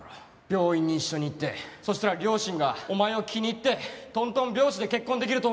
病院に一緒に行ってそしたら両親がお前を気に入ってトントン拍子で結婚できると思ってるんだろ？